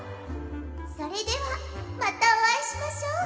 それではまたおあいしましょう。